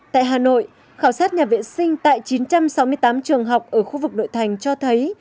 tại hà nội khảo sát nhà vệ sinh tại chín trăm sáu mươi tám trường học ở khu vực nội thành cho thấy